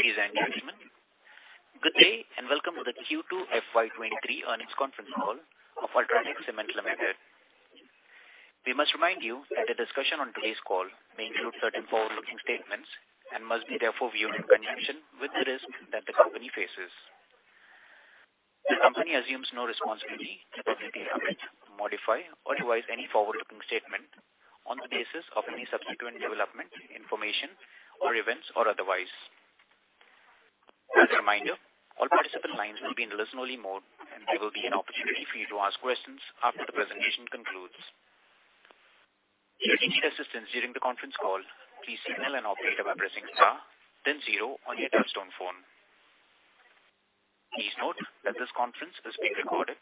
Ladies and gentlemen, good day, and welcome to the Q2 FY23 earnings conference call of UltraTech Cement Limited. We must remind you that the discussion on today's call may include certain forward-looking statements and must be therefore viewed in conjunction with the risk that the company faces. The company assumes no responsibility to update, amend, modify or revise any forward-looking statement on the basis of any subsequent development, information or events or otherwise. As a reminder, all participant lines will be in listen-only mode, and there will be an opportunity for you to ask questions after the presentation concludes. If you need assistance during the conference call, please signal an operator by pressing star then zero on your touchtone phone. Please note that this conference is being recorded.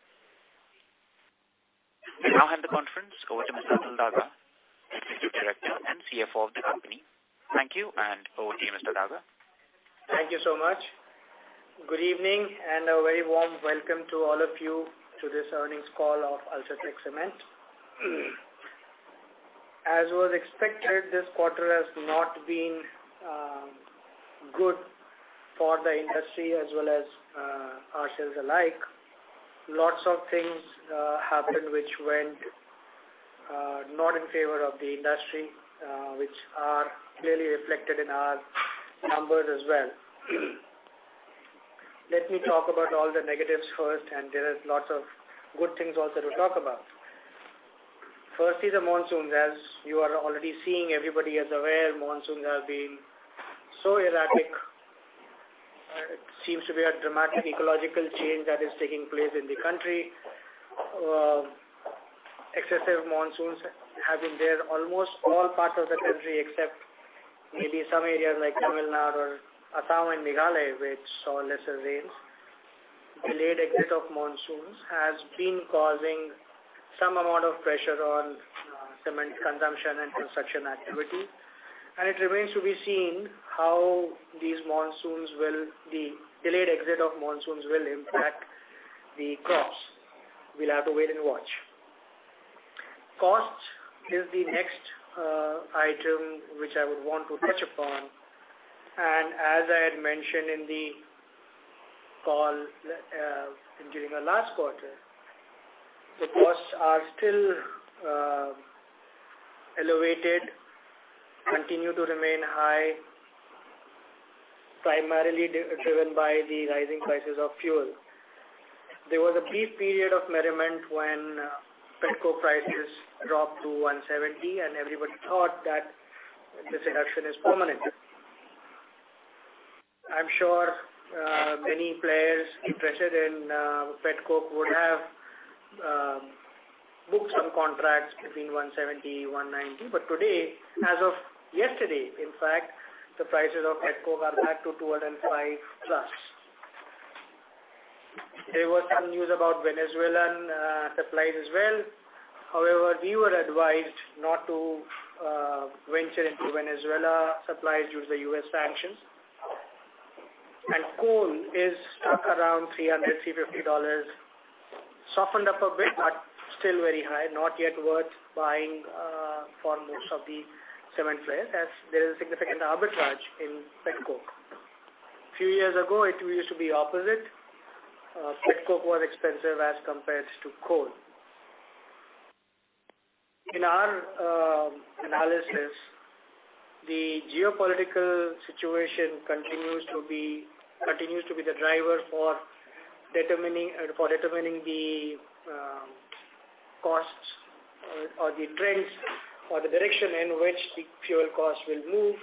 We now hand the conference over to Mr. Atul Daga, Executive Director and CFO of the company. Thank you, and over to you, Mr. Daga. Thank you so much. Good evening and a very warm welcome to all of you to this earnings call of UltraTech Cement. As was expected, this quarter has not been good for the industry as well as ourselves alike. Lots of things happened which went not in favor of the industry, which are clearly reflected in our numbers as well. Let me talk about all the negatives first, and there is lots of good things also to talk about. Firstly, the monsoons. As you are already seeing, everybody is aware, monsoons have been so erratic. It seems to be a dramatic ecological change that is taking place in the country. Excessive monsoons have been there almost all parts of the country except maybe some areas like Tamil Nadu or Assam and Meghalaya, which saw lesser rains. Delayed exit of monsoons has been causing some amount of pressure on cement consumption and construction activity. It remains to be seen how the delayed exit of monsoons will impact the crops. We'll have to wait and watch. Cost is the next item which I would want to touch upon. As I had mentioned in the call during the last quarter, the costs are still elevated and continue to remain high, primarily driven by the rising prices of fuel. There was a brief period of merriment when petcoke prices dropped to $170, and everybody thought that this reduction is permanent. I'm sure many players interested in petcoke would have booked some contracts between $170-$190. Today, as of yesterday, in fact, the prices of petcoke are back to $205+. There was some news about Venezuelan supply as well. However, we were advised not to venture into Venezuela supplies due to the U.S. sanctions. Coal is stuck around $300-$350. Softened up a bit, but still very high. Not yet worth buying for most of the cement players as there is significant arbitrage in petcoke. A few years ago it used to be opposite. Petcoke was expensive as compared to coal. In our analysis, the geopolitical situation continues to be the driver for determining the costs or the trends or the direction in which the fuel costs will move.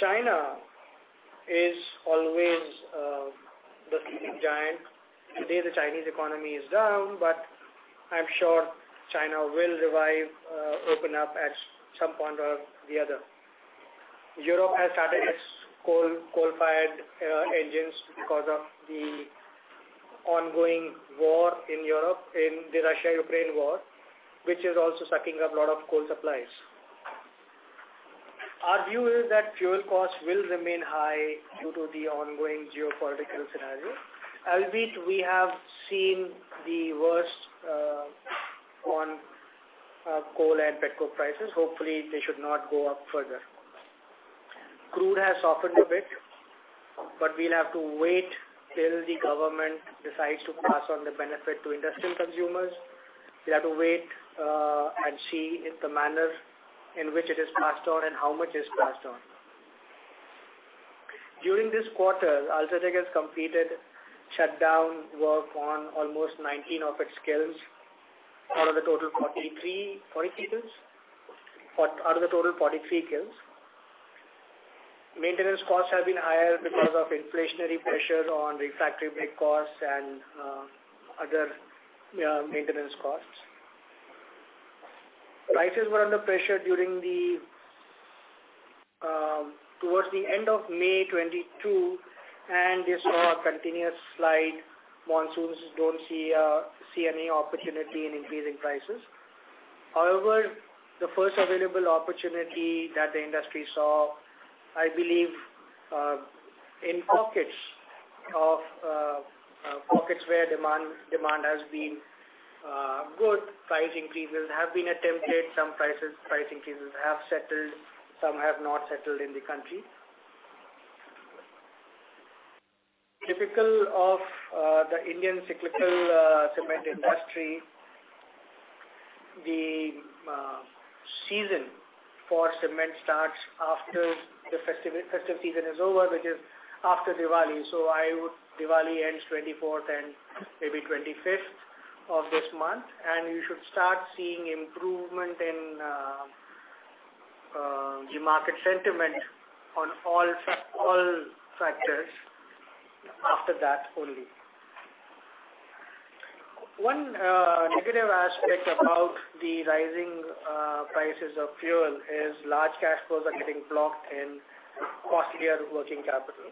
China is always the sleeping giant. Today the Chinese economy is down, but I'm sure China will revive open up at some point or the other. Europe has started its coal-fired engines because of the ongoing war in Europe, in the Russia-Ukraine war, which is also sucking up a lot of coal supplies. Our view is that fuel costs will remain high due to the ongoing geopolitical scenario. Albeit, we have seen the worst on coal and petcoke prices. Hopefully, they should not go up further. Crude has softened a bit, but we'll have to wait till the government decides to pass on the benefit to industrial consumers. We have to wait and see if the manner in which it is passed on and how much is passed on. During this quarter, UltraTech has completed shutdown work on almost 19 of its kilns out of the total 43. 40 kilns? Forty-three. Out of the total 43 kilns. Maintenance costs have been higher because of inflationary pressure on refractory brick costs and other maintenance costs. Prices were under pressure towards the end of May 2022, and they saw a continuous slide. Monsoons don't see any opportunity in increasing prices. However, the first available opportunity that the industry saw, I believe, in pockets where demand has been good, price increase will have been attempted. Some price increases have settled, some have not settled in the country. Typical of the Indian cyclical cement industry, the season for cement starts after the festive season is over, which is after Diwali. Diwali ends 24th and maybe 25th of this month, and you should start seeing improvement in the market sentiment on all factors after that only. One negative aspect about the rising prices of fuel is large cash flows are getting blocked in costlier working capital.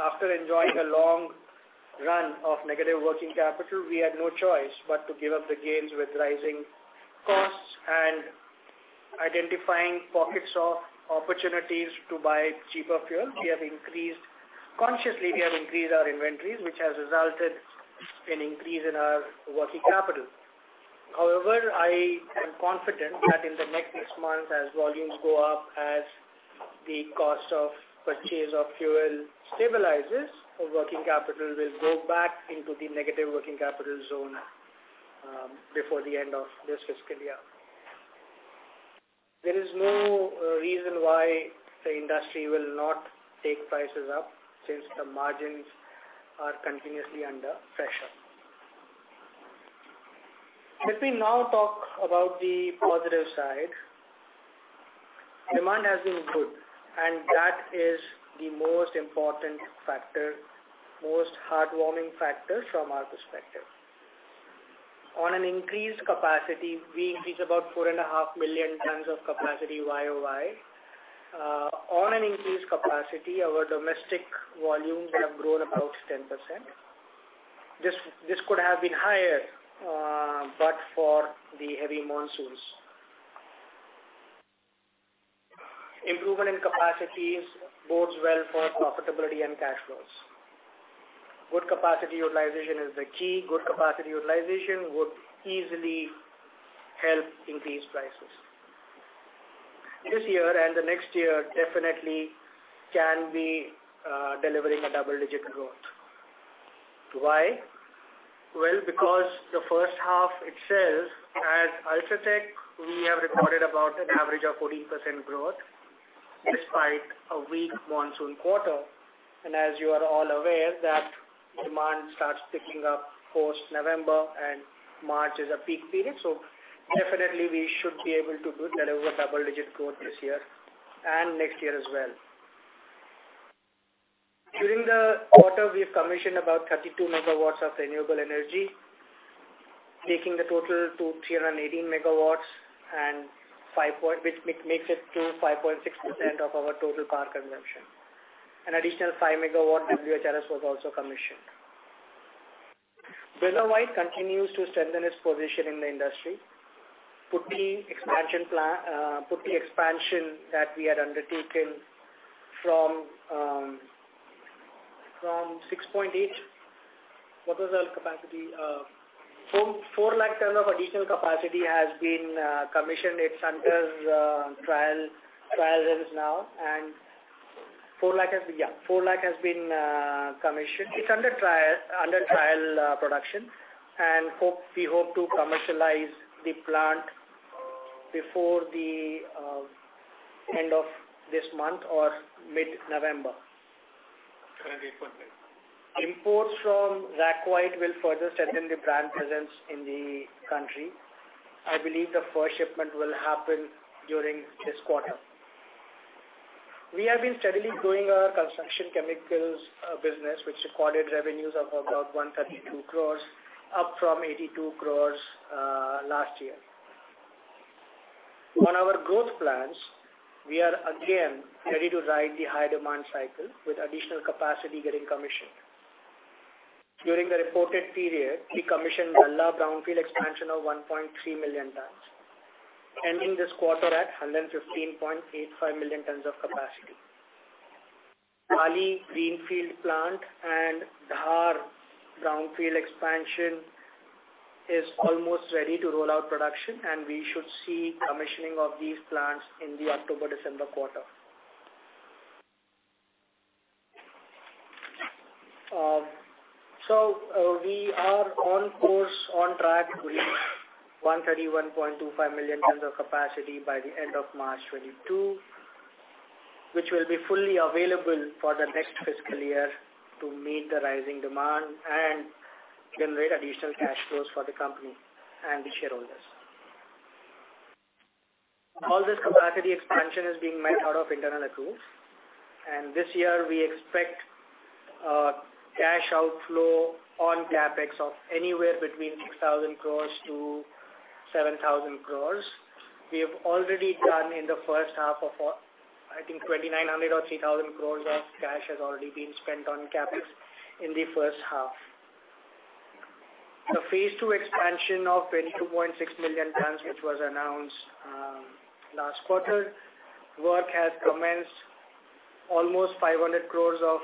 After enjoying a long run of negative working capital, we had no choice but to give up the gains with rising costs and identifying pockets of opportunities to buy cheaper fuel. We have consciously increased our inventories, which has resulted in increase in our working capital. However, I am confident that in the next months as volumes go up, as the cost of purchase of fuel stabilizes, our working capital will go back into the negative working capital zone before the end of this fiscal year. There is no reason why the industry will not take prices up since the margins are continuously under pressure. Let me now talk about the positive side. Demand has been good, and that is the most important factor, most heartwarming factor from our perspective. On an increased capacity, we increased about 4.5 million tons of capacity Y-o-Y. On an increased capacity, our domestic volumes have grown about 10%. This could have been higher, but for the heavy monsoons. Improvement in capacities bodes well for profitability and cash flows. Good capacity utilization is the key. Good capacity utilization would easily help increase prices. This year and the next year definitely can be delivering a double-digit growth. Why? Well, because the first half itself, at UltraTech, we have recorded about an average of 14% growth despite a weak monsoon quarter. As you are all aware, demand starts picking up post-November and March is a peak period. Definitely we should be able to deliver double-digit growth this year and next year as well. During the quarter, we have commissioned about 32 megawatts of renewable energy, taking the total to 318 megawatts, which makes it 5.6% of our total power consumption. An additional five-megawatt WHRS was also commissioned. Birla White continues to strengthen its position in the industry. Pudi expansion plan, Pudi expansion that we had undertaken from 6.8. What was our capacity? four lakh tons of additional capacity has been commissioned. It's under trial runs now. four lakh has been commissioned. It's under trial production. We hope to commercialize the plant before the end of this month or mid-November. Can I ask one thing? Imports from Ras Al Khaimah Co. for White Cement & Construction Materials will further strengthen the brand presence in the country. I believe the first shipment will happen during this quarter. We have been steadily growing our construction chemicals business, which recorded revenues of about 132 crore, up from 82 crore last year. On our growth plans, we are again ready to ride the high demand cycle with additional capacity getting commissioned. During the reported period, we commissioned Dalla brownfield expansion of 1.3 million tons, ending this quarter at 115.85 million tons of capacity. Pali greenfield plant and Dhar brownfield expansion is almost ready to roll out production, and we should see commissioning of these plants in the October-December quarter. We are on course, on track with 131.25 million tons of capacity by the end of March 2022, which will be fully available for the next fiscal year to meet the rising demand and generate additional cash flows for the company and the shareholders. All this capacity expansion is being met out of internal accruals, and this year we expect cash outflow on CapEx of anywhere between 6,000 crores-7,000 crores. We have already spent in the first half what I think 2,900-3,000 crores on CapEx. The phase two expansion of 22.6 million tons, which was announced last quarter. Work has commenced. Almost 500 crores of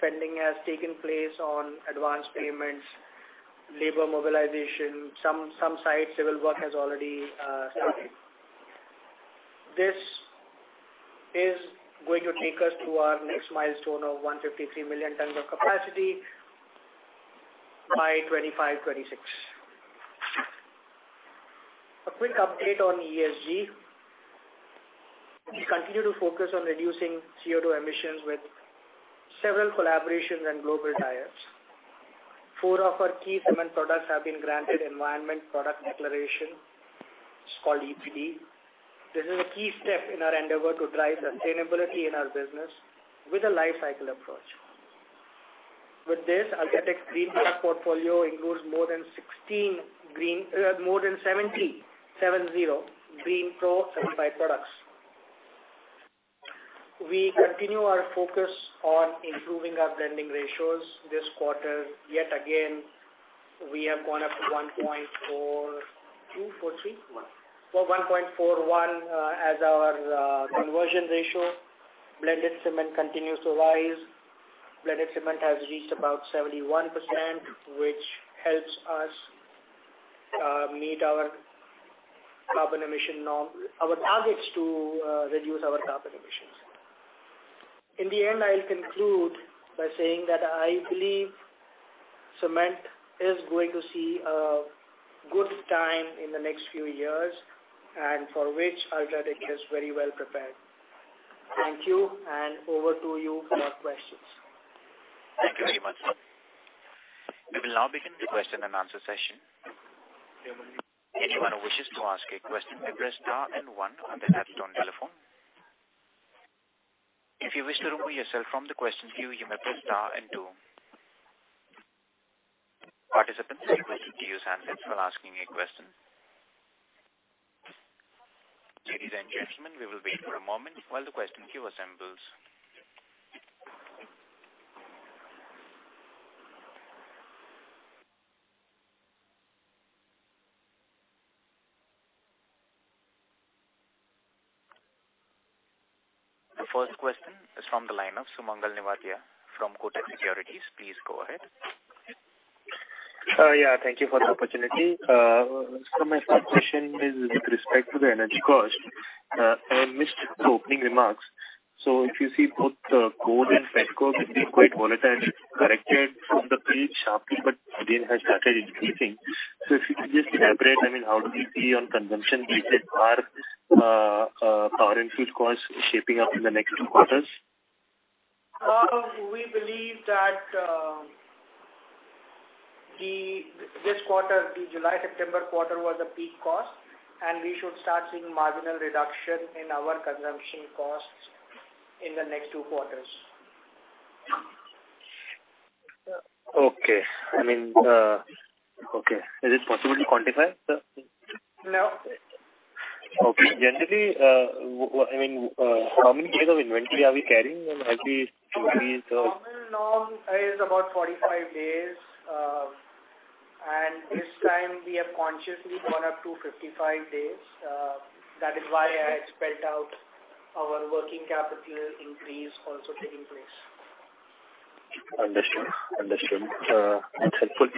spending has taken place on advanced payments, labor mobilization. Some sites civil work has already started. This is going to take us to our next milestone of 153 million tons of capacity by 2025-2026. A quick update on ESG. We continue to focus on reducing CO2 emissions with several collaborations and global ties. Four of our key cement products have been granted environmental product declaration. It's called EPD. This is a key step in our endeavor to drive sustainability in our business with a life cycle approach. With this, UltraTech's green product portfolio includes more than 70 GreenPro certified products. We continue our focus on improving our blending ratios. This quarter, yet again, we have gone up to 1.42-43? One. Well, 1.41 as our conversion ratio. Blended cement continues to rise. Blended cement has reached about 71%, which helps us meet our carbon emission targets to reduce our carbon emissions. In the end, I'll conclude by saying that I believe cement is going to see a good time in the next few years, and for which UltraTech is very well prepared. Thank you, and over to you for questions. Thank you very much. We will now begin the question and answer session. Anyone who wishes to ask a question may press star and one on their telephone. If you wish to remove yourself from the question queue, you may press star and two. Participants are encouraged to use handsets when asking a question. Ladies and gentlemen, we will wait for a moment while the question queue assembles. The first question is from the line of Sumangal Nevatia from Kotak Securities. Please go ahead. Yeah. Thank you for the opportunity. My first question is with respect to the energy cost. I missed the opening remarks. If you see both the coal and petcoke have been quite volatile and corrected from the peak sharply but again has started increasing. If you could just elaborate, I mean, how do we see on consumption basis, are power and fuel costs shaping up in the next two quarters? Well, we believe that this quarter, the July-September quarter was a peak cost, and we should start seeing marginal reduction in our consumption costs in the next two quarters. Okay. I mean, okay. Is it possible to quantify, sir? No. Okay. Generally, I mean, how many days of inventory are we carrying? I mean, are we Normal norm is about 45 days. This time we have consciously gone up to 55 days. That is why I had spelled out our working capital increase also taking place. Understood. That's helpful.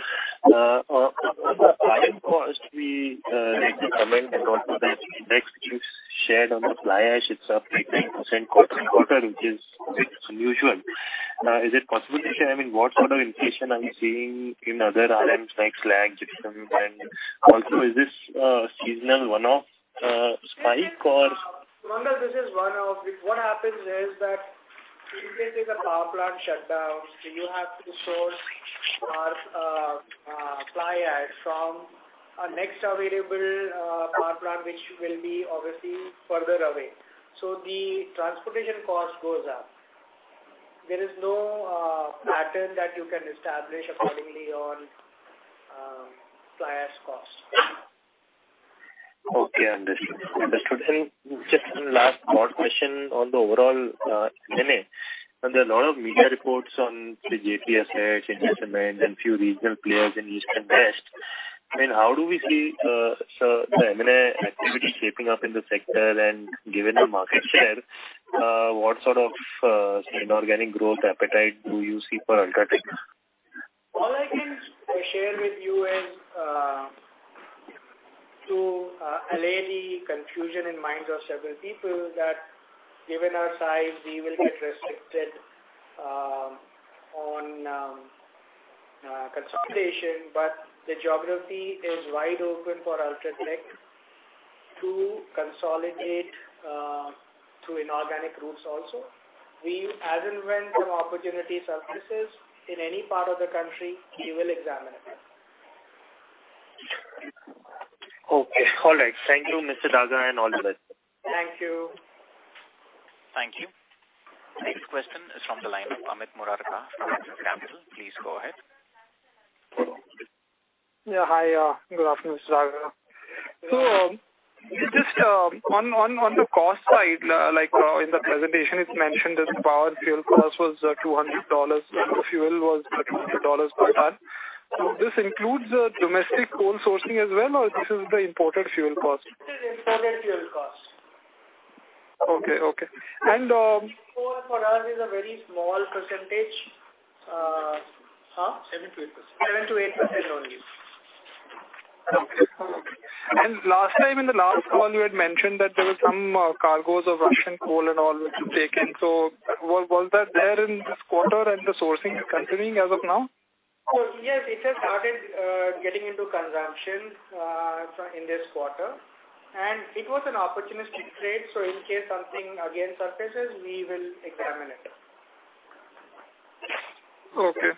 On the iron cost, we recommend and also the index you've shared on the fly ash, it's up by 9% quarter-on-quarter, which is unusual. Is it possible to share, I mean, what sort of inflation are you seeing in other items like slag, gypsum, and also is this seasonal one-off spike or- Sumangal, this is one-off. What happens is that if there is a power plant shutdown, then you have to source our fly ash from a next available power plant which will be obviously further away. So the transportation cost goes up. There is no pattern that you can establish accordingly on fly ash costs. Okay. Understood. Just one last broad question on the overall M&A. There are a lot of media reports on the JSW, India Cements and few regional players in east and west. I mean, how do we see, sir, the M&A activity shaping up in the sector? Given your market share, what sort of inorganic growth appetite do you see for UltraTech? All I can share with you is to allay the confusion in minds of several people that given our size, we will get restricted on consolidation. The geography is wide open for UltraTech to consolidate through inorganic routes also. We, as and when the opportunity surfaces in any part of the country, we will examine it. Okay. All right. Thank you, Mr. Daga, and all the best. Thank you. Thank you. Next question is from the line of Amit Murarka from Axis Capital Limited. Please go ahead. Yeah. Hi. Good afternoon, Mr. Daga. Just on the cost side, like, in the presentation, it's mentioned that power fuel cost was $200. The fuel was $200 per ton. This includes the domestic coal sourcing as well, or this is the imported fuel cost? This is imported fuel cost. Okay. Coal for us is a very small percentage. 7%-8%. 7%-8% only. Okay. Last time in the last call, you had mentioned that there were some cargos of Russian coal and all which you've taken. Was that there in this quarter and the sourcing is continuing as of now? Yes. It has started getting into consumption in this quarter. It was an opportunistic trade, so in case something again surfaces, we will examine it. Okay.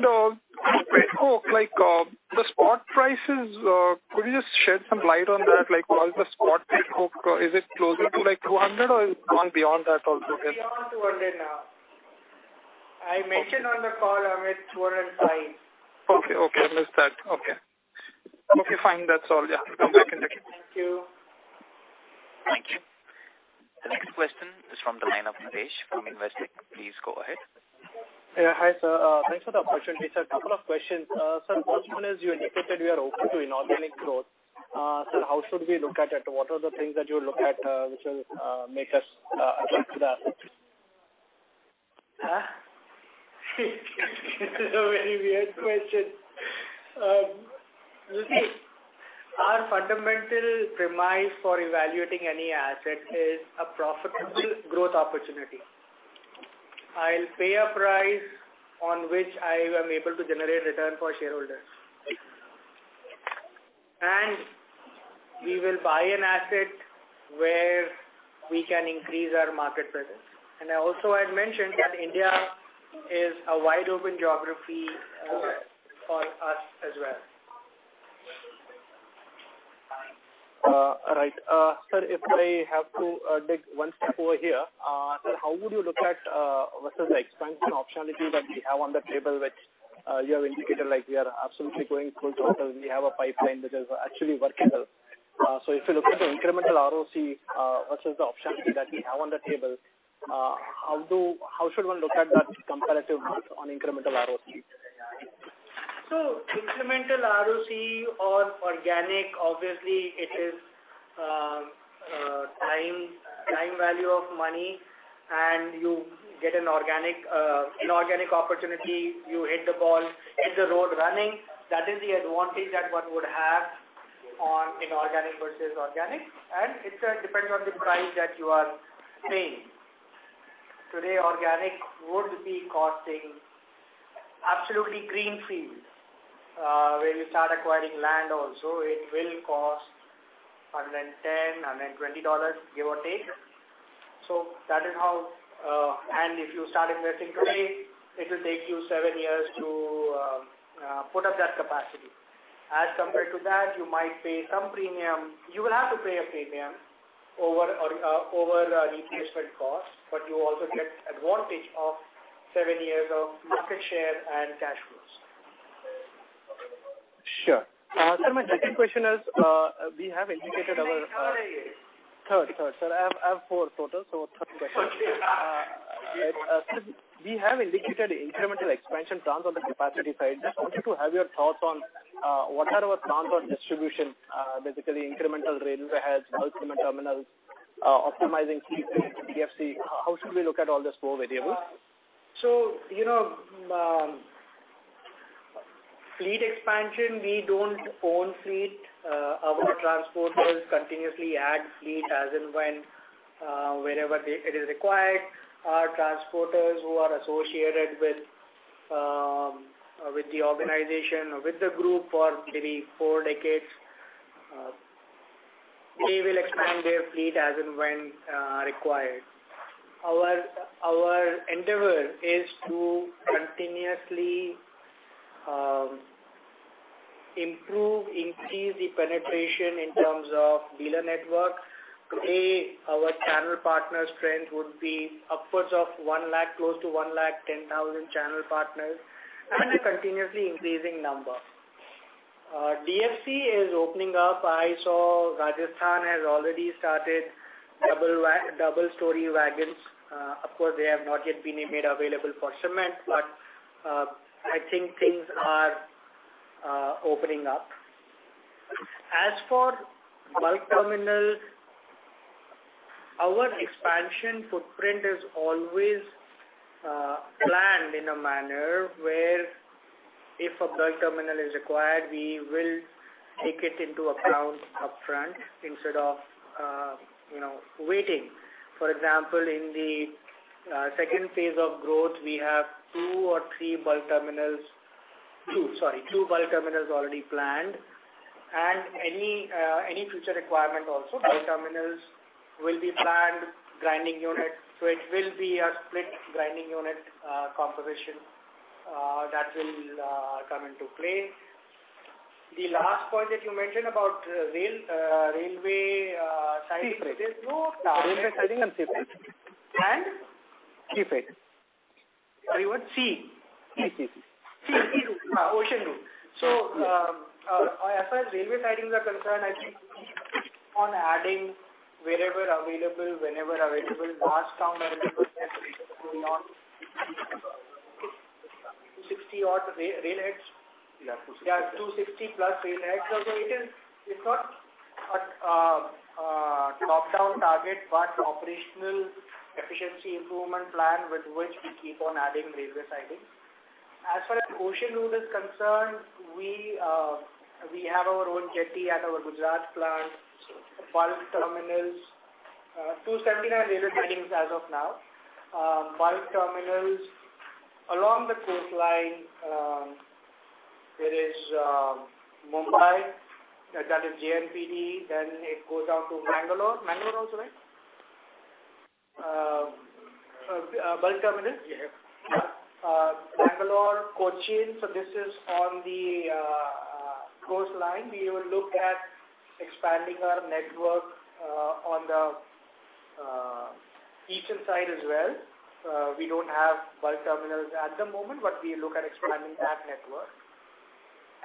Now, like, the spot prices, could you just shed some light on that? Like, what is the spot price of coke? Is it closer to, like, $200 or it's gone beyond that also then? It's beyond $200 now. I mentioned on the call around $205. Okay. I missed that. Okay, fine. That's all. Yeah. I'll come back in touch. Thank you. Thank you. The next question is from the line of Ritesh Shah from Investec. Please go ahead. Yeah, hi, sir. Thanks for the opportunity, sir. Couple of questions. Sir, first one is, you indicated you are open to inorganic growth. Sir, how should we look at it? What are the things that you look at, which will make us attract the... It is a very weird question. Our fundamental premise for evaluating any asset is a profitable growth opportunity. I'll pay a price on which I am able to generate return for shareholders. We will buy an asset where we can increase our market presence. I also had mentioned that India is a wide open geography for us as well. All right. Sir, if I have to dig one step over here, sir, how would you look at versus the expansion optionality that we have on the table, you have indicated like we are absolutely going full throttle and we have a pipeline which is actually workable. If you look at the incremental ROC versus the optionality that we have on the table, how should one look at that comparative math on incremental ROC? Incremental ROC on organic, obviously it is time value of money, and you get an organic, inorganic opportunity. You hit the ball, hit the road running. That is the advantage that one would have on inorganic versus organic. It depends on the price that you are paying. Today, organic would be costing a greenfield. Where you start acquiring land also, it will cost $110-$120, give or take. That is how, and if you start investing today, it will take you seven years to put up that capacity. As compared to that, you might pay some premium. You will have to pay a premium over replacement cost, but you also get advantage of seven years of market share and cash flows. Sure. Sir, my second question is, we have indicated our How many? Third. Sir, I have four total, so third question. Sir, we have indicated incremental expansion plans on the capacity side. Just wanted to have your thoughts on what are our plans on distribution, basically incremental railway heads, bulk cement terminals, optimizing fleet to DFC. How should we look at all these 4 variables? You know, fleet expansion, we don't own fleet. Our transporters continuously add fleet as and when, wherever it is required. Our transporters who are associated with the organization or with the group for maybe four decades, they will expand their fleet as and when required. Our endeavor is to continuously improve, increase the penetration in terms of dealer network. Today, our channel partners strength would be upwards of 100,000, close to 110,000 channel partners and a continuously increasing number. DFC is opening up. I saw Rajasthan has already started double-stack wagons. Of course, they have not yet been made available for cement, but I think things are opening up. As for bulk terminal, our expansion footprint is always planned in a manner where if a bulk terminal is required, we will take it into account upfront instead of you know, waiting. For example, in the second phase of growth, we have two bulk terminals already planned. Any future requirement also, bulk terminals will be planned, Grinding Unit. So it will be a split Grinding Unit composition that will come into play. The last point that you mentioned about railway sidings. Sea freight. There's no- Railway siding and sea freight. And? Sea freight. See what? See. Sea. Sea route. Ocean route. As far as railway sidings are concerned, I think on adding wherever available, whenever available, large number of 260 odd railheads. Yeah, 260. Yeah, 260+ railheads. It is not top-down target, but operational efficiency improvement plan with which we keep on adding railway sidings. As far as ocean route is concerned, we have our own jetty at our Gujarat plant. So- Bulk terminals, 279 railway sidings as of now. Bulk terminals along the coastline, there is Mumbai, that is JNPT, then it goes down to Mangalore. Mangalore also, right? Bulk terminal? Yes. Mangalore, Cochin. This is on the coastline. We will look at expanding our network on the eastern side as well. We don't have bulk terminals at the moment, but we look at expanding that network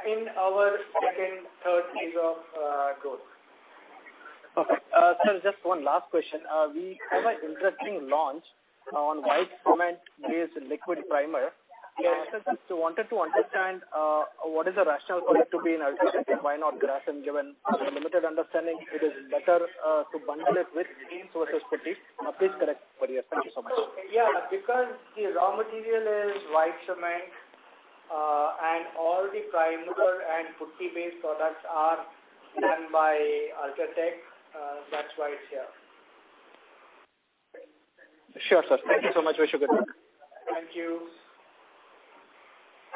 in our II, III phase of growth. Okay. Sir, just one last question. We have an interesting launch on white cement-based liquid primer. Yes. Wanted to understand, what is the rationale for it to be in UltraTech and why not Grasim, given the limited understanding it is better, to bundle it with in-house putty. Please correct if I'm wrong. Thank you so much. Yeah, because the raw material is white cement, and all the primer and putty-based products are done by UltraTech, that's why it's here. Sure, sir. Thank you so much. Wish you good night. Thank you.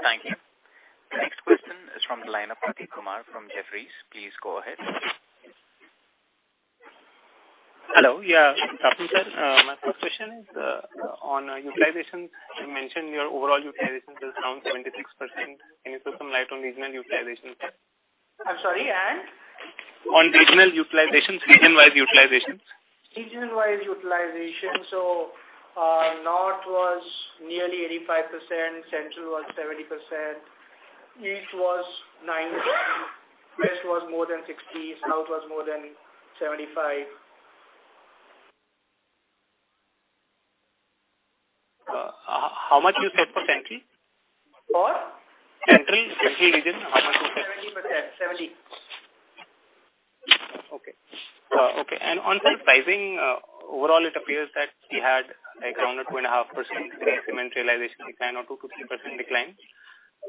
Thank you. The next question is from the line of Prateek Kumar from Jefferies. Please go ahead. Hello. Yeah. Good afternoon, sir. My first question is on utilization. You mentioned your overall utilization is around 76%. Can you throw some light on regional utilization? I'm sorry? On regional utilizations, region-wide utilizations. Region-wide utilization. North was nearly 85%, Central was 70%, East was 90%, West was more than 60%, South was more than 75%. How much you said for Central? For? Central region, how much you said? 70%. 70. Okay. On pricing, overall it appears that we had like around a 2.5% cement realization decline or 2%-3% decline,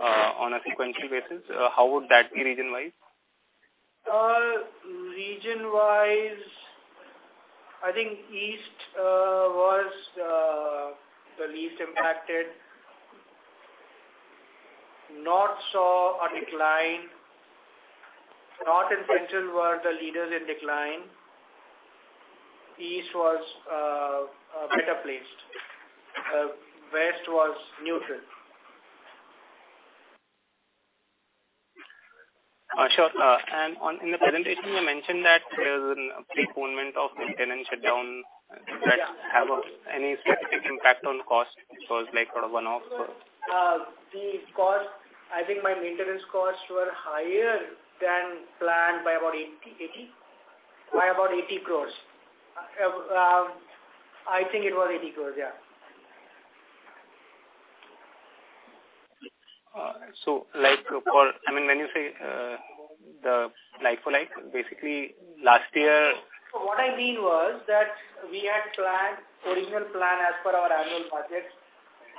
on a sequential basis. How would that be region-wide? Region-wise, I think East was the least impacted. North saw a decline. North and Central were the leaders in decline. East was better placed. West was neutral. Sure. In the presentation you mentioned that there's a postponement of the tenant shutdown. Yeah. Does that have any specific impact on cost? It's like sort of one-off or? The cost, I think my maintenance costs were higher than planned by about 80. Cool. By about 80 crore. I think it was INR 80 crore, yeah. I mean, when you say the like for like, basically last year. What I mean was that we had planned, original plan as per our annual budget,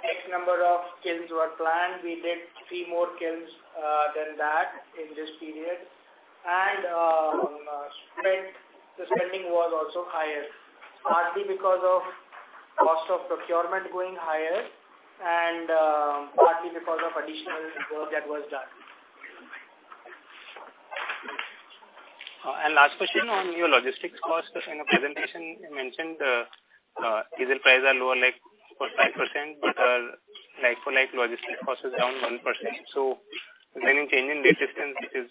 X number of kilns were planned. We did three more kilns than that in this period. The spending was also higher, partly because of cost of procurement going higher and partly because of additional work that was done. Last question on your logistics cost. In your presentation you mentioned, diesel price are lower like 4%-5%, but, like for like logistics cost is around 1%. Any change in distance is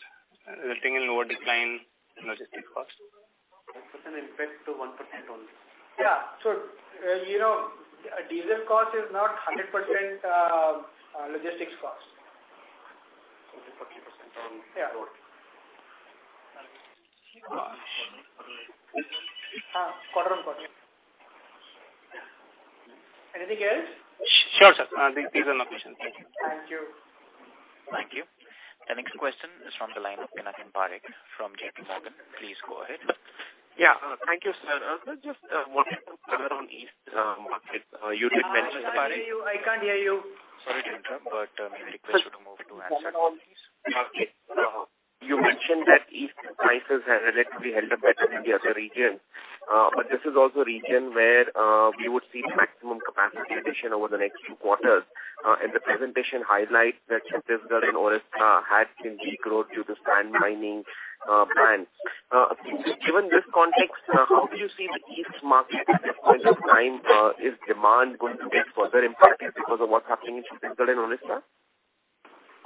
resulting in lower decline in logistics cost? 1% impact to 1% only. Yeah. You know, a diesel cost is not 100% logistics cost. 50% only. Yeah. Road. Quarter-over-quarter. Anything else? Sure, sir. These are enough questions. Thank you. Thank you. Thank you. The next question is from the line of Pinakin Parekh from JPMorgan. Please go ahead. Yeah. Thank you, sir. I just wanted to cover on east market. You did mention- Yeah. I can't hear you. I can't hear you. Sorry to interrupt, but may I request you to move to headset. Yeah. Okay. You mentioned that East prices have relatively held up better than the other regions. This is also a region where we would see maximum capacity addition over the next few quarters. The presentation highlights that Chhattisgarh and Odisha had seen de-growth due to sand mining bans. Given this context, how do you see the East market at this point of time? Is demand going to get further impacted because of what's happening in Chhattisgarh and Odisha?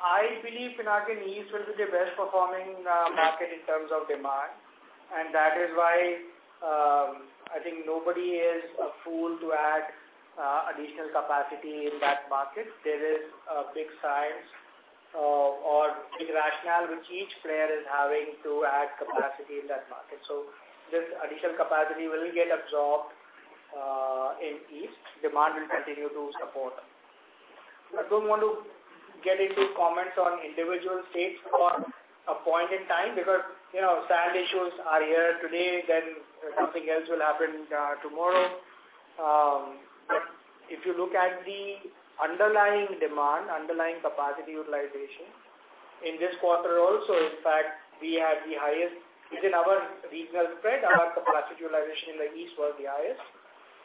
I believe in East will be the best performing market in terms of demand. That is why, I think nobody is a fool to add additional capacity in that market. There is a big size or big rationale which each player is having to add capacity in that market. This additional capacity will get absorbed in East. Demand will continue to support. I don't want to get into comments on individual states for a point in time because, you know, sand issues are here today, then something else will happen tomorrow. If you look at the underlying demand, underlying capacity utilization in this quarter also, in fact, we had the highest within our regional spread. Our capacity utilization in the East was the highest.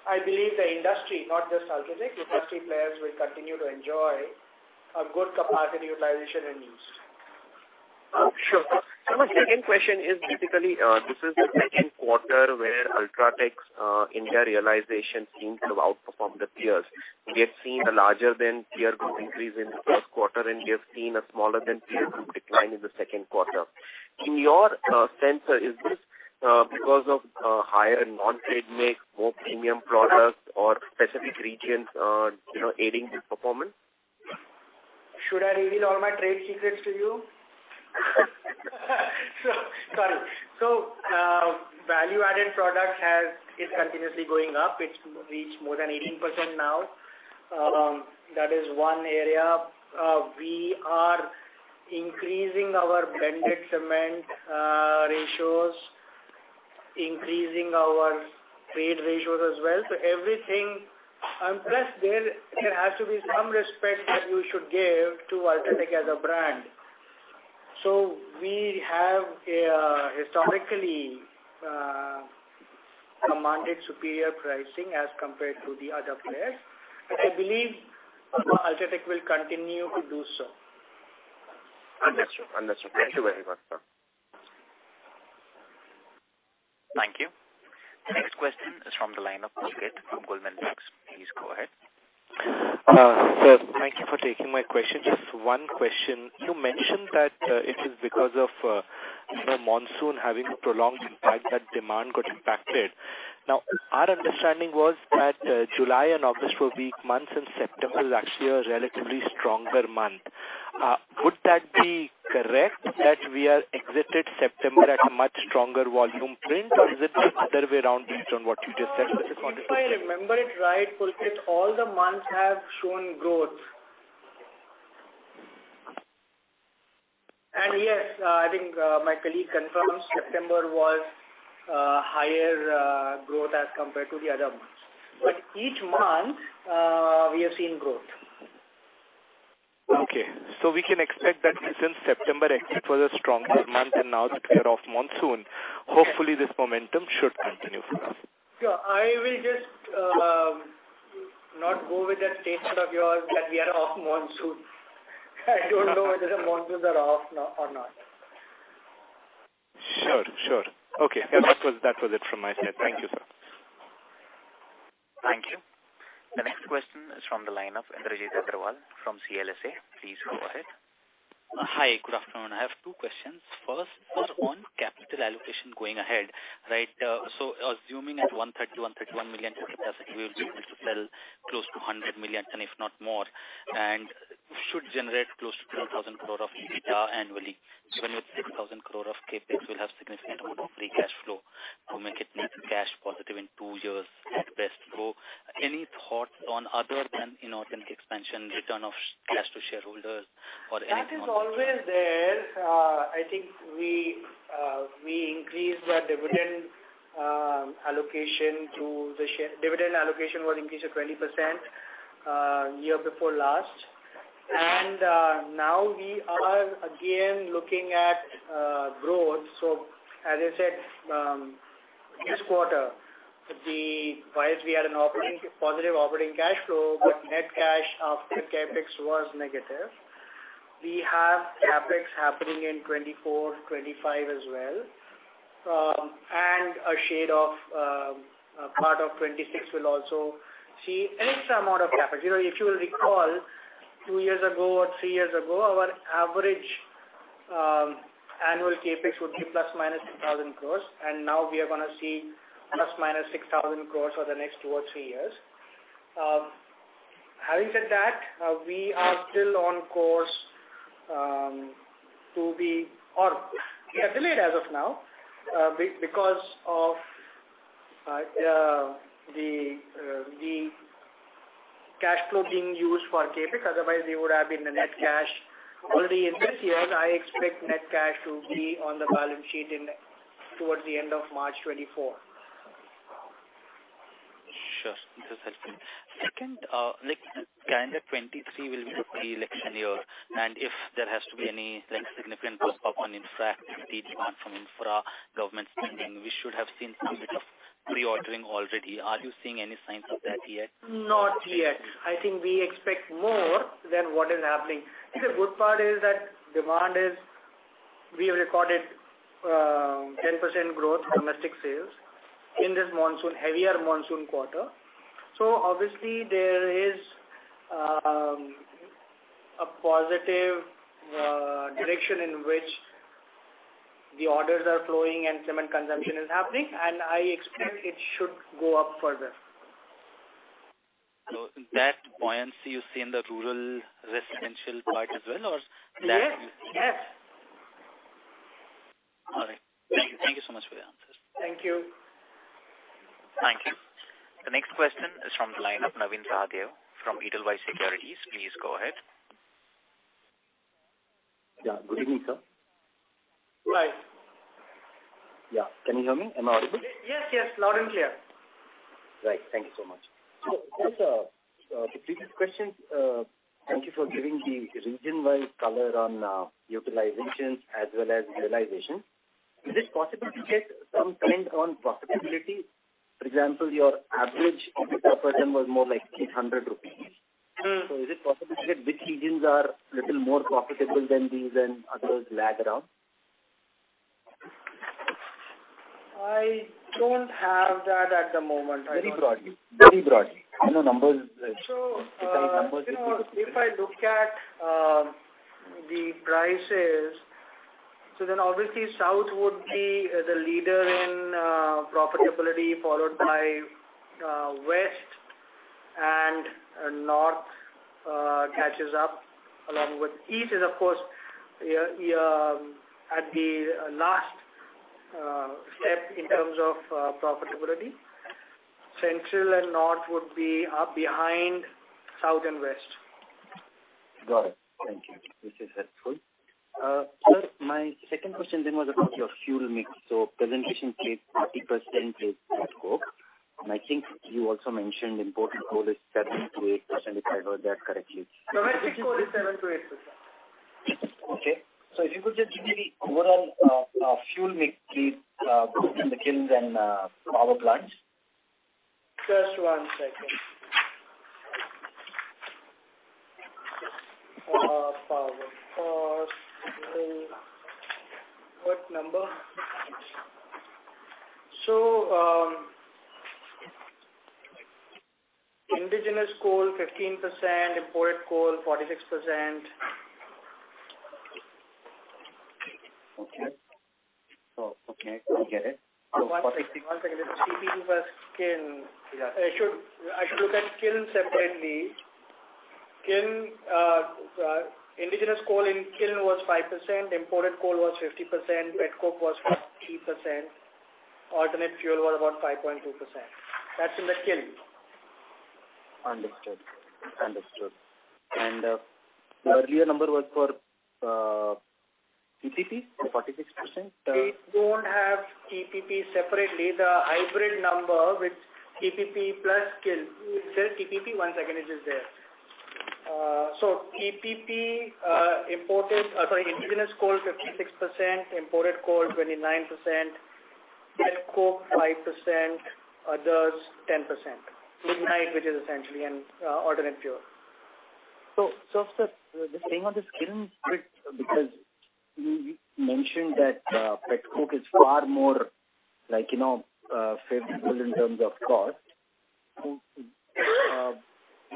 I believe the industry, not just UltraTech, industry players will continue to enjoy a good capacity utilization in East. Sure. Yes. My second question is basically, this is the Q2 where UltraTech's Indian realization seems to have outperformed the peers. We have seen a larger than peer group increase in Q1, and we have seen a smaller than peer group decline in the second quarter. In your sense, is this because of higher non-trade mix, more premium products or specific regions, you know, aiding this performance? Should I reveal all my trade secrets to you? Sorry. Value-added products is continuously going up. It's reached more than 18% now. That is one area. We are increasing our blended cement ratios, increasing our trade ratios as well. Everything, and plus there has to be some respect that you should give to UltraTech as a brand. We have historically commanded superior pricing as compared to the other players. I believe UltraTech will continue to do so. Understood. Thank you very much, sir. Thank you. The next question is from the line of Pulkit from Goldman Sachs. Please go ahead. Sir, thank you for taking my question. Just one question. You mentioned that it is because of you know monsoon having a prolonged impact that demand got impacted. Now, our understanding was that July and August were weak months and September is actually a relatively stronger month. Would that be correct that we have exited September at a much stronger volume print, or is it the other way around based on what you just said? Just to confirm. If I remember it right, Pulkit, all the months have shown growth. Yes, I think my colleague confirms September was higher growth as compared to the other months. Each month, we have seen growth. Okay. We can expect that since September it was a stronger month and now that we are off monsoon, hopefully this momentum should continue for us. Sure. I will just not go with that statement of yours that we are off monsoon. I don't know whether the monsoons are off now or not. Sure, sure. Okay. That was it from my side. Thank you, sir. Thank you. The next question is from the line of Indrajit Agarwal from CLSA. Please go ahead. Hi, good afternoon. I have two questions. First was on capital allocation going ahead, right? Assuming at 130, 131 million ton capacity, we will be able to sell close to 100 million ton, if not more, and should generate close to 10,000 crore of EBITDA annually. Even with 6,000 crore of CapEx, we'll have significant amount of free cash flow to make it net cash positive in two years at best go. Any thoughts on other than, you know, organic expansion, return of cash to shareholders or any- That is always there. I think we increased our dividend allocation to the share. Dividend allocation was increased to 20%, year before last. Now we are again looking at growth. As I said, this quarter, whilst we had positive operating cash flow, but net cash after CapEx was negative. We have CapEx happening in 2024, 2025 as well. And a shade of a part of 2026 will also see an extra amount of CapEx. You know, if you'll recall, two years ago or three years ago, our average annual CapEx would be plus minus 2,000 crores, and now we are gonna see plus minus 6,000 crores for the next two or three years. Having said that, we are still on course to be, or we are delayed as of now, because of the cash flow being used for CapEx. Otherwise we would have been in a net cash already in this year. I expect net cash to be on the balance sheet towards the end of March 2024. Sure. This is helpful. Second, like, calendar 2023 will be pre-election year, and if there has to be any, like, significant push up on infra, heavy demand from infra government spending, we should have seen some bit of pre-ordering already. Are you seeing any signs of that yet? Not yet. I think we expect more than what is happening. I think the good part is that demand is. We have recorded 10% growth in domestic sales in this monsoon, heavier monsoon quarter. Obviously there is a positive direction in which the orders are flowing and cement consumption is happening. I expect it should go up further. That buoyancy you see in the rural residential part as well or. Yes. Yes. All right. Thank you. Thank you so much for the answers. Thank you. Thank you. The next question is from the line of Navin Sahadeo from Edelweiss Securities. Please go ahead. Yeah, good evening, sir. Hi. Yeah. Can you hear me? Am I audible? Yes. Yes. Loud and clear. Right. Thank you so much. The previous questions, thank you for giving the region-wide color on utilization as well as realization. Is it possible to get some comment on profitability? For example, your average per ton was more like 800 rupees. Mm-hmm. Is it possible to get which regions are a little more profitable than these and others lag around? I don't have that at the moment. Very broadly. I know numbers. You know, if I look at the prices, so then obviously South would be the leader in profitability followed by West and North catches up along with East is of course yeah yeah at the last step in terms of profitability. Central and North would be up behind South and West. Got it. Thank you. This is helpful. Sir, my second question then was about your fuel mix. Presentation says 40% petcoke. I think you also mentioned imported coal is 7%-8%, if I heard that correctly. Domestic coal is 7%-8%. Okay. If you could just give me the overall fuel mix, please, both in the kilns and power plants. Just one second. Power. What number? Indigenous coal 15%, imported coal 46%. Okay. Okay, I get it. One second. TPP versus kiln. Yeah. I should look at kiln separately. Kiln, indigenous coal in kiln was 5%, imported coal was 50%, petcoke was 3%, alternate fuel was about 5.2%. That's in the kiln. Understood. The earlier number was for TPP, the 46%? We don't have TPP separately. The hybrid number with TPP plus kiln. Is there TPP? One second, it is there. TPP, indigenous coal 56%, imported coal 29%, petcoke 5%, others 10%. Midnight, which is essentially an alternate fuel. Sir, just staying on this kiln bit, because you mentioned that petcoke is far more like, you know, favorable in terms of cost.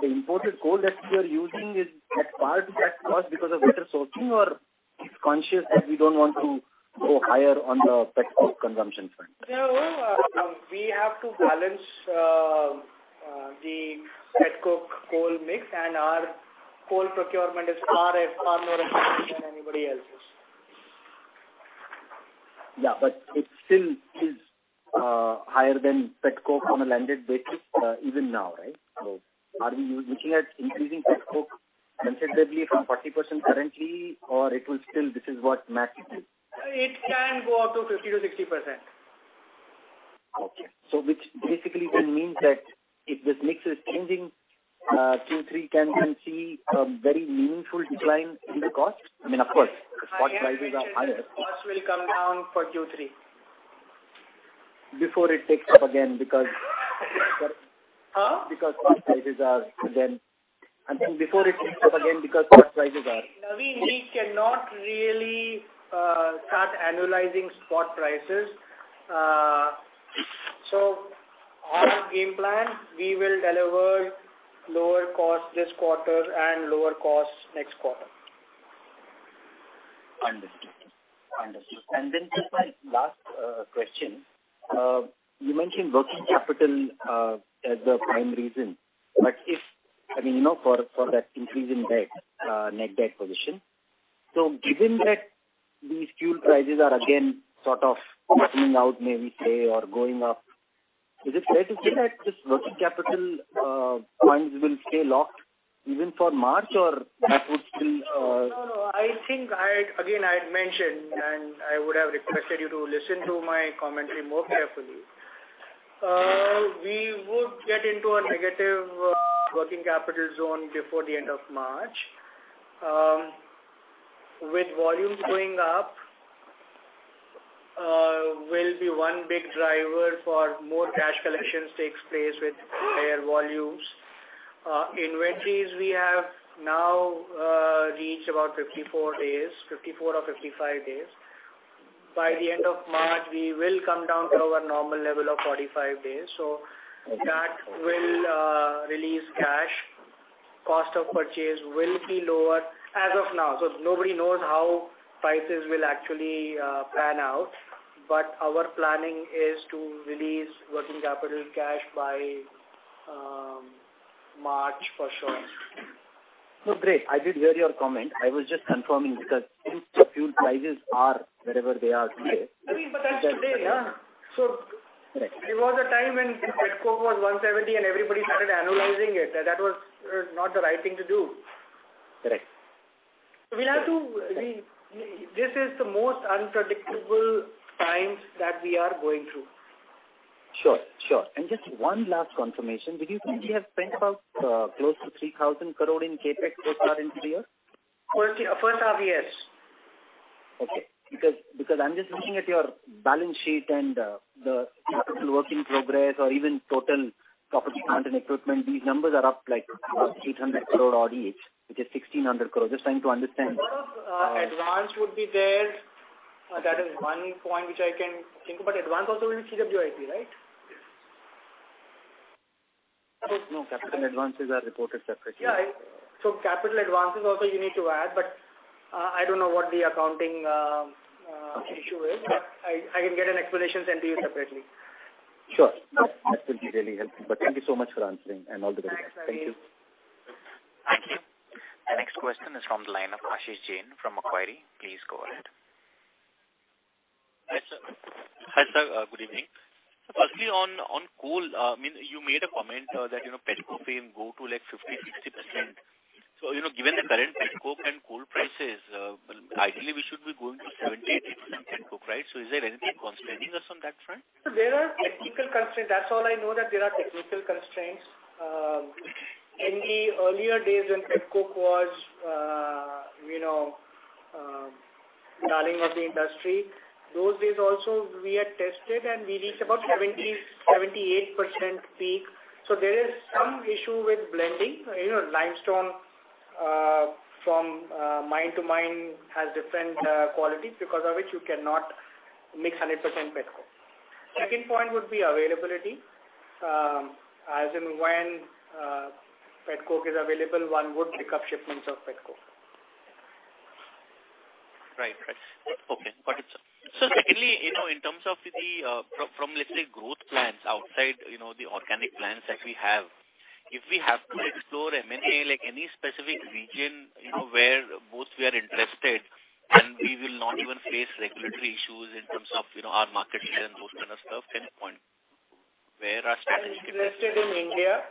The imported coal that you are using is at par to that cost because of better sourcing or is it conscious that we don't want to go higher on the petcoke consumption front? No, we have to balance the petcoke coal mix and our coal procurement is far more efficient than anybody else's. Yeah, it still is higher than petcoke on a landed basis, even now, right? Are we looking at increasing petcoke considerably from 40% currently or it will still this is what max it is? It can go up to 50%-60%. Okay. Which basically then means that if this mix is changing, Q3 can see a very meaningful decline in the cost? I mean, of course, spot prices are higher. Cost will come down for Q3. Before it takes up again because. Huh? Before it takes up again because spot prices are. Navin, we cannot really start annualizing spot prices. On our game plan, we will deliver lower costs this quarter and lower costs next quarter. Understood. Just my last question. You mentioned working capital as the prime reason. If, I mean, you know, for that increase in debt, net debt position. Given that these fuel prices are again sort of flattening out maybe say or going up, is it fair to say that this working capital funds will stay locked even for March or that would still, No, I think again, I had mentioned. I would have requested you to listen to my commentary more carefully. We would get into a negative working capital zone before the end of March. With volumes going up, will be one big driver for more cash collections takes place with higher volumes. Inventories we have now reached about 54 days, 54 or 55 days. By the end of March, we will come down to our normal level of 45 days. That will release cash. Cost of purchase will be lower as of now. Nobody knows how prices will actually pan out. Our planning is to release working capital cash by March for sure. No, great. I did hear your comment. I was just confirming because fuel prices are wherever they are today. I mean, that's today, yeah. Right. There was a time when petcoke was $170, and everybody started analyzing it. That was not the right thing to do. Right. We'll have to re- Right. This is the most unpredictable times that we are going through. Sure, sure. Just one last confirmation. Would you think you have spent about close to 3,000 crore in CapEx so far in three years? First half, yes. Because I'm just looking at your balance sheet and the capital work in progress or even total property, plant, and equipment. These numbers are up like 800 crore odd each, which is 1,600 crore. Just trying to understand. lot of advance would be there. That is one point which I can think of. Advance also will be CWIP, right? Yes. No, capital advances are reported separately. Capital advances also you need to add, but I don't know what the accounting issue is. I can get an explanation sent to you separately. Sure. That would be really helpful. Thank you so much for answering and all the best. Thanks, Navin. Thank you. Thank you. The next question is from the line of Ashish Jain from Macquarie. Please go ahead. Hi, sir. Good evening. Firstly, on coal, I mean, you made a comment that, you know, petcoke will go to like 50-60%. You know, given the current petcoke and coal prices, ideally we should be going to 70-80% petcoke, right? Is there anything constraining us on that front? There are technical constraints. That's all I know, that there are technical constraints. In the earlier days when petcoke was, you know, darling of the industry, those days also we had tested and we reached about 70%-78% peak. There is some issue with blending. You know, limestone from mine to mine has different qualities because of which you cannot mix 100% petcoke. Second point would be availability. As and when petcoke is available, one would pick up shipments of petcoke. Right. Okay. Got it. Secondly, you know, in terms of the from let's say growth plans outside, you know, the organic plans that we have, if we have to explore M&A, like any specific region, you know, where both we are interested and we will not even face regulatory issues in terms of, you know, our market share and those kind of stuff, can you point where are strategic- I'm interested in India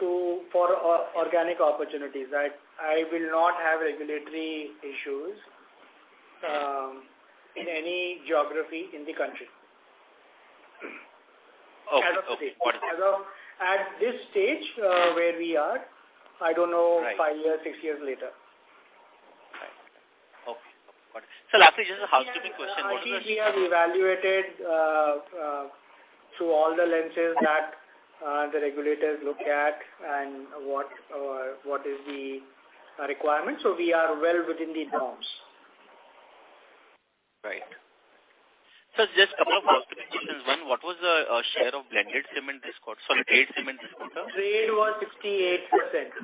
for organic opportunities. I will not have regulatory issues in any geography in the country. Okay. Got it. As of, at this stage, where we are, I don't know. Right. five years, six years later. Right. Okay. Got it. Lastly, just a housekeeping question. I think we have evaluated through all the lenses that the regulators look at and what is the requirement. We are well within the norms. Right. Just a couple of operational questions. One, what was the share of blended cement this quarter, sorry, trade cement this quarter? Trade was 68%.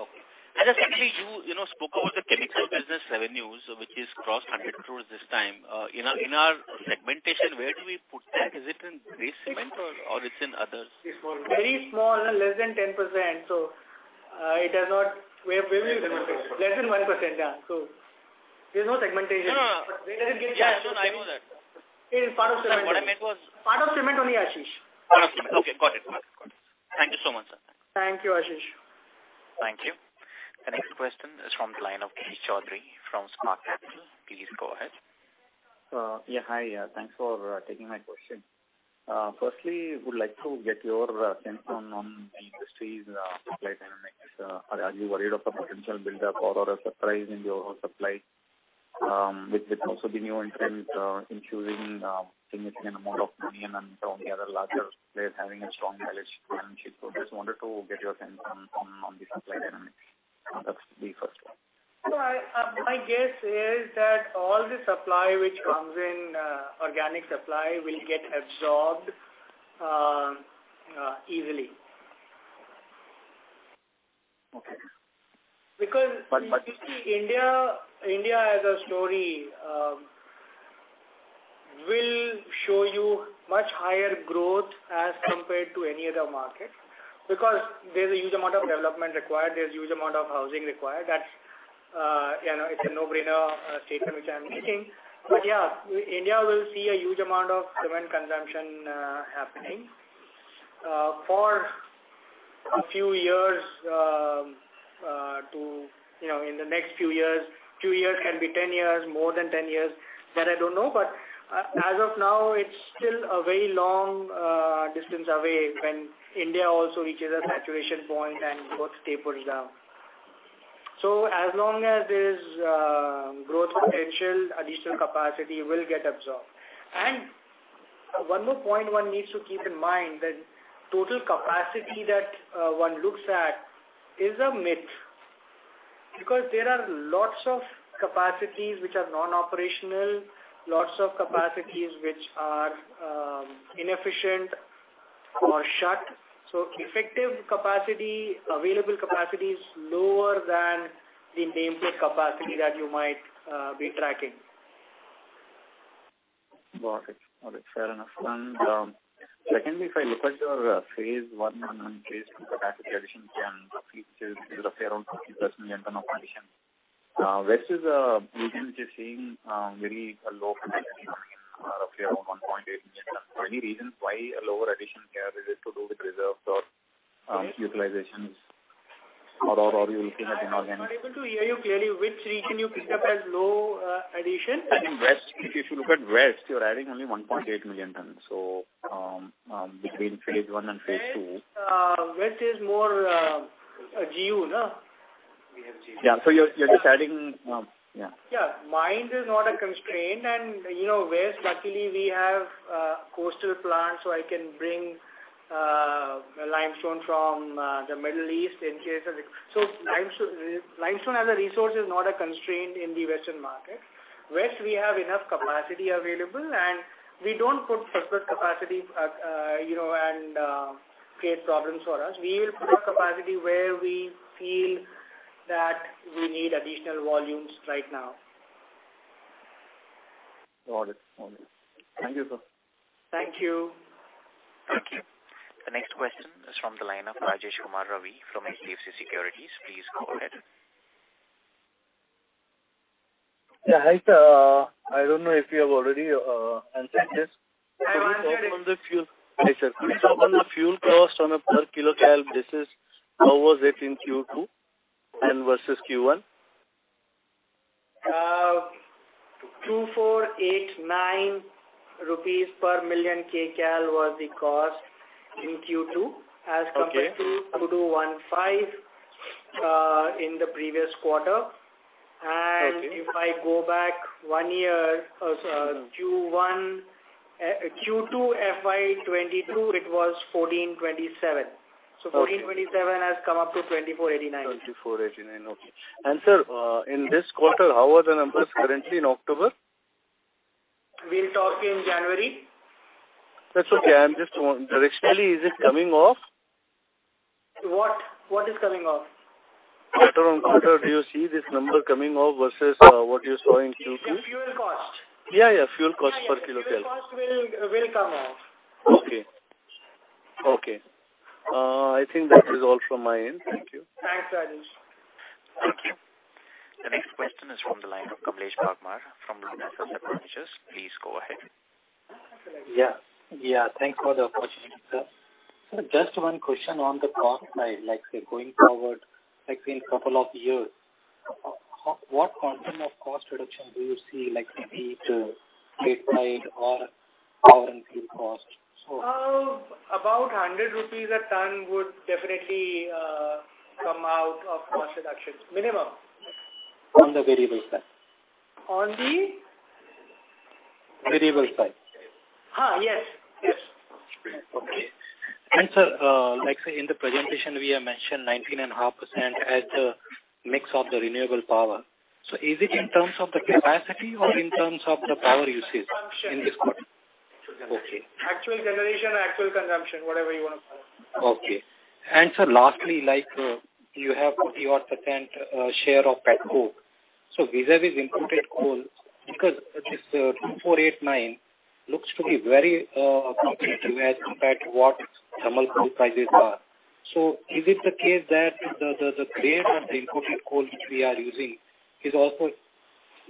Okay. Secondly, you know, spoke about the chemical business revenues, which is crossed 100 crore this time. In our segmentation, where do we put that? Is it in gray cement or it's in others? Very small, less than 10%. It has not less than 1%. Yeah. There's no segmentation. No, no. We don't get. Yeah. I know that. It is part of cement. What I meant was. Part of cement only, Ashish. Part of cement. Okay. Got it. Thank you so much, sir. Thank you, Ashish. Thank you. The next question is from the line of Girish Choudhary from Spark Capital. Please go ahead. Yeah. Hi. Thanks for taking my question. Firstly, would like to get your sense on the industry's supply dynamics. Are you worried of a potential buildup or a surprise in the overall supply? With also the new entrants infusing significant amount of money and some of the other larger players having a strong balance sheet. Just wanted to get your sense on the supply dynamics. That's the first one. My guess is that all the supply which comes in easily. Okay. Because you see India as a story will show you much higher growth as compared to any other market because there's a huge amount of development required. There's huge amount of housing required. That's, you know, it's a no-brainer statement which I'm making. Yeah, India will see a huge amount of cement consumption happening for a few years you know in the next few years. Few years can be 10 years, more than 10 years. That I don't know. As of now, it's still a very long distance away when India also reaches a saturation point and growth tapers down. As long as there's growth potential, additional capacity will get absorbed. One more point one needs to keep in mind that total capacity that one looks at is a myth because there are lots of capacities which are non-operational, lots of capacities which are inefficient or shut. Effective capacity, available capacity is lower than the nameplate capacity that you might be tracking. Got it. Fair enough. Secondly, if I look at your phase one and phase two capacity addition can roughly still appear around 50% in terms of addition. West is a region which is seeing very low capacity, roughly around 1.8. Any reasons why a lower addition here? Is it to do with reserves or utilizations? Or you're looking at inorganic- I'm not able to hear you clearly. Which region you picked up as low addition? I think west. If you look at west, you're adding only 1.8 million tons. Between phase one and phase II. West is more GU, no? Yeah. You're just adding, yeah. Yeah. Mine is not a constraint and, you know, west luckily we have coastal plants so I can bring limestone from the Middle East in case of. Limestone as a resource is not a constraint in the western market. West we have enough capacity available, and we don't put surplus capacity, you know, and create problems for us. We'll put a capacity where we feel that we need additional volumes right now. Got it. Thank you, sir. Thank you. Thank you. The next question is from the line of Rajesh Kumar Ravi from HDFC Securities. Please go ahead. Yeah. Hi, sir. I don't know if you have already answered this. I haven't. Hi, sir. Can you talk on the fuel cost on a per kilo cal basis? How was it in Q2 and versus Q1? 2,489 rupees per million kcal was the cost in Q2. Okay. as compared to 2,215 in the previous quarter. Okay. If I go back one year, so Q1, Q2 FY 2022 it was 1,427. Okay. INR 1,427 has come up to 2,489. 2,489. Okay. Sir, in this quarter, how are the numbers currently in October? We'll talk in January. That's okay. Directionally, is it coming off? What? What is coming off? Quarter-on-quarter, do you see this number coming off versus what you saw in Q2? You mean fuel cost? Yeah, yeah. Fuel cost per kcal. Yeah, yeah. Fuel cost will come off. Okay. I think that is all from my end. Thank you. Thanks, Rajesh. Thank you. The next question is from the line of Kamlesh Bagmar from Lotus Asset Managers. Please go ahead. Thanks for the opportunity, sir. Just one question on the cost side. Like say going forward, like say in couple of years, what content of cost reduction do you see, like say be it freight side or power and fuel cost? About 100 rupees a ton would definitely come out of cost reductions minimum. On the variable side. On the? Variable side. Yes. Yes. Okay. Sir, like say in the presentation we have mentioned 19.5% as the mix of the renewable power. So is it in terms of the capacity or in terms of the power usage in this quarter? Consumption. Okay. Actual generation or actual consumption, whatever you wanna call it. Okay. Sir, lastly, like, you have 40-odd% share of pet coke. Vis-à-vis imported coal, because this $2,489 looks to be very competitive as compared to what thermal coal prices are. Is it the case that the grade of the imported coal which we are using is also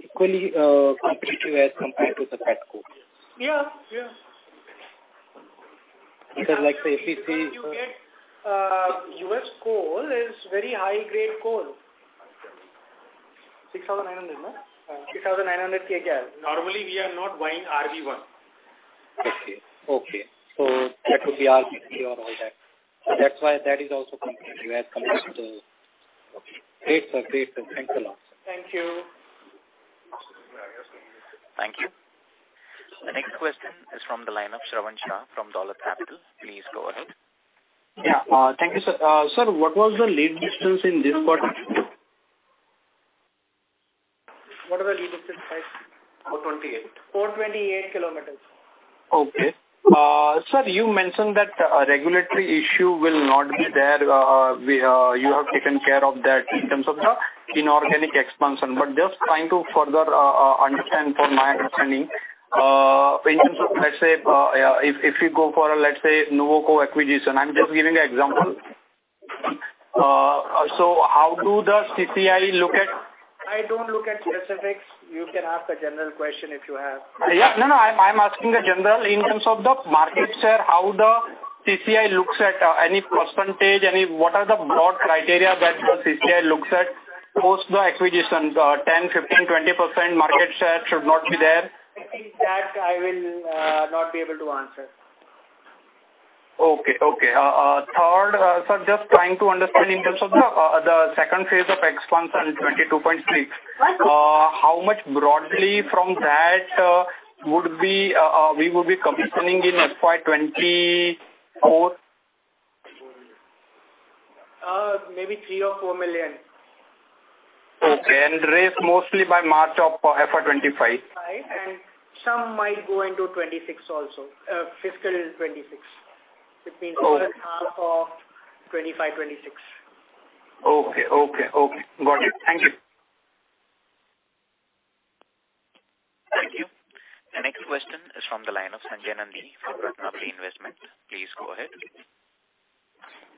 equally competitive as compared to the pet coke? Yeah. Yeah. Because like say if it's, Because when you get, U.S. coal is very high grade coal. 6,900, no? Uh. 6,900 kcal. Normally we are not buying RB1. Okay. That would be RB2 overall. That's why that is also competitive as compared to. Okay. Great, sir. Thanks a lot. Thank you. Thank you. The next question is from the line of Shravan Shah from Dolat Capital. Please go ahead. Yeah. Thank you, sir. Sir, what was the lead distance in this quarter? What was the lead distance, guys? 428. 428 km. Okay. Sir, you mentioned that a regulatory issue will not be there. You have taken care of that in terms of the inorganic expansion. Just trying to further understand for my understanding, in terms of let's say, if you go for let's say Nuvoco acquisition, I'm just giving an example. How do the CCI look at- I don't look at specifics. You can ask a general question if you have. I'm asking in general in terms of the market share, how the CCI looks at any percentage. What are the broad criteria that the CCI looks at post the acquisition? 10, 15, 20% market share should not be there. I think that I will not be able to answer. Third, just trying to understand in terms of the second phase of expansion in 22.6. How much broadly from that would we be commissioning in FY 2024? Maybe 3 million or 4 million. Okay. Raised mostly by March of FY 2025. five. Some might go into 2026 also. Fiscal 2026. Okay. Between first half of 25, 26. Okay. Got it. Thank you. Thank you. The next question is from the line of Sanjay Nandi from Ratnabali Investment. Please go ahead.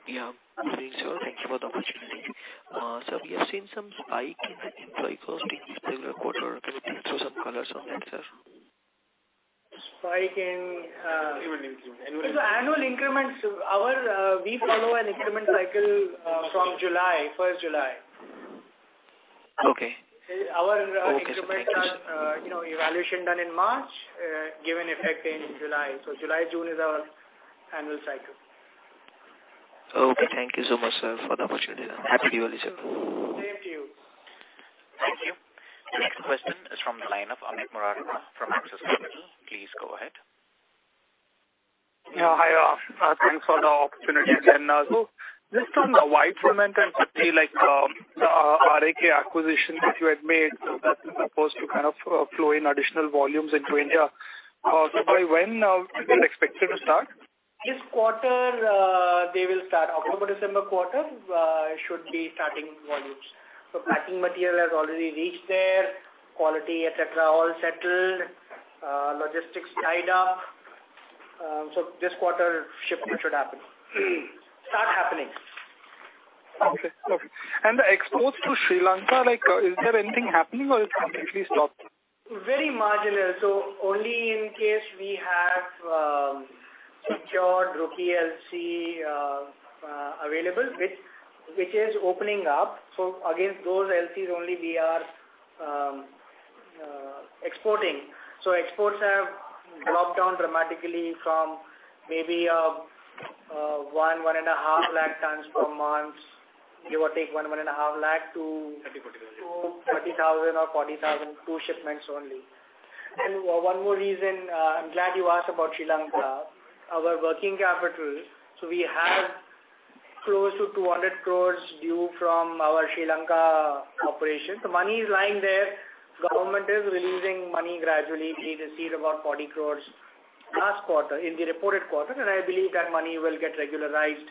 Yeah. Good evening, sir. Thank you for the opportunity. We have seen some spike in employee cost in this quarter. Can you throw some colors on that, sir? Spike in. Annual increment. Annual increments. We follow an increment cycle from first July. Okay. Our increments are, you know, evaluation done in March, given effect in July. July, June is our annual cycle. Okay. Thank you so much, sir, for the opportunity. Happy Diwali, sir. Thank you. Thank you. The next question is from the line of Amit Murarka from Axis Capital Limited. Please go ahead. Yeah. Hi. Thanks for the opportunity again, Nazu. Just on the white cement entity like RAK acquisition which you had made that is supposed to kind of flow in additional volumes into India. By when is it expected to start? This quarter, they will start. October, December quarter should be starting volumes. Packing material has already reached there, quality, et cetera, all settled. Logistics tied up. This quarter shipment should happen. Start happening. Okay. Exports to Sri Lanka, like, is there anything happening or it's completely stopped? Very marginal. Only in case we have secured rupee LC available which is opening up. Against those LCs only we are exporting. Exports have dropped down dramatically from maybe 1.5 lakh tons per month. Give or take 1.5 lakh to- 30,000-40,000. To 30,000 or 40,000, two shipments only. One more reason, I'm glad you asked about Sri Lanka. Our working capital. We have close to 200 crores due from our Sri Lanka operation. The money is lying there. Government is releasing money gradually. We received about 40 crores last quarter, in the reported quarter. I believe that money will get regularized,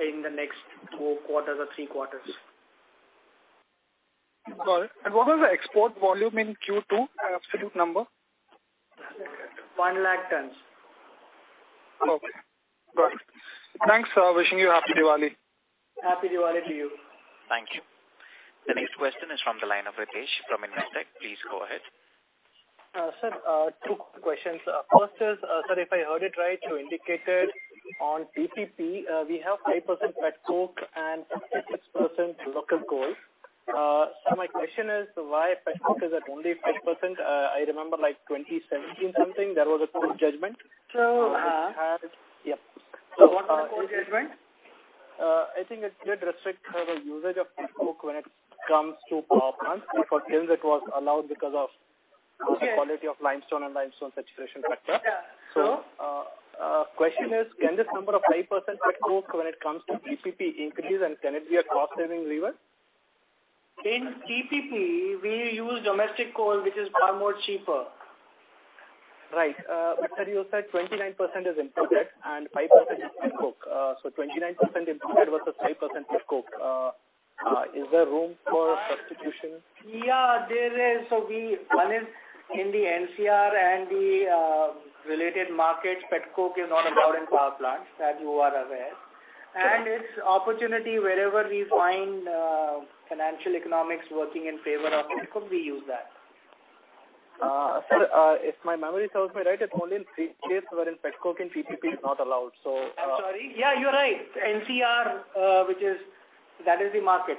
in the next two quarters or three quarters. Got it. What was the export volume in Q2, absolute number? 100,000 tons. Okay. Got it. Thanks. Wishing you happy Diwali. Happy Diwali to you. Thank you. The next question is from the line of Ritesh Shah from Investec. Please go ahead. Sir, two quick questions. First is, sir, if I heard it right, you indicated on CPP, we have 5% petcoke and 6% local coal. So my question is why petcoke is at only 5%? I remember like 2017 something there was a court judgment. So, uh- Yeah. What was the court judgment? I think it did restrict the usage of petcoke when it comes to power plants. Before then it was allowed because of Okay. The quality of limestone and limestone saturation factor. Yeah. Question is, can this number of 5% petcoke when it comes to CPP increase and can it be a cost saving lever? In CPP we use domestic coal which is far more cheaper. Right. Sir, you said 29% is imported and 5% is petcoke. Is there room for substitution? Yeah, there is. One is in the NCR and the related markets, petcoke is not allowed in power plants, that you are aware. Sure. It's opportunity wherever we find financial economics working in favor of petcoke, we use that. sir, if my memory serves me right, it's only in three cases wherein petcoke in CPP is not allowed. I'm sorry. Yeah, you're right. NCR, which is, that is the market.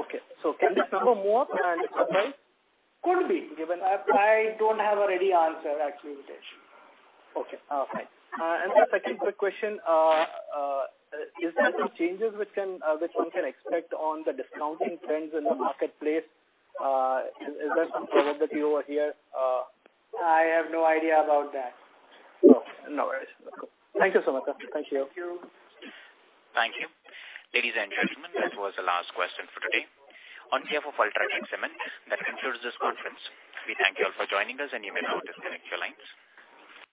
Okay. Can this number move and surprise? Could be. Given- I don't have a ready answer actually, Ritesh. Okay. Fine. Sir, second quick question. Is there any changes which one can expect on the discounting trends in the marketplace? Is there some stability over here? I have no idea about that. No. No worries. Thank you so much, sir. Thank you. Thank you. Thank you. Ladies and gentlemen, that was the last question for today. On behalf of UltraTech Cement, that concludes this conference. We thank you all for joining us, and you may now disconnect your lines.